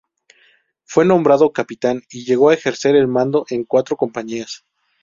Fue nombrado capitán y llegó a ejercer el mando en cuatro compañías.